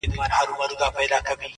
له دربار له تخت و تاج څخه پردۍ سوه؛